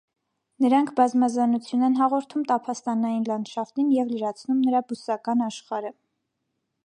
Նրանք բազմազանություն են հաղորդում տափաստանային լանդշաֆտին և լրացնում նրա բուսական աշխարհը։